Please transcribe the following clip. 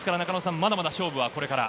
まだまだ勝負はこれから。